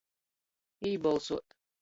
Ībolsuot.